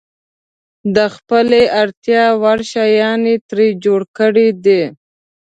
د خپلې اړتیا وړ شیان یې ترې جوړ کړي دي.